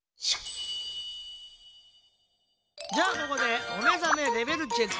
じゃあここでおめざめレベルチェック。